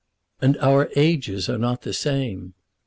"And our ages are not the same."